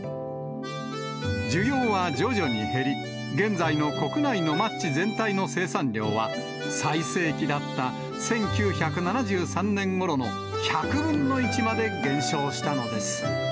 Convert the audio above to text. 需要は徐々に減り、現在の国内のマッチ全体の生産量は、最盛期だった１９７３年ごろの１００分の１まで減少したのです。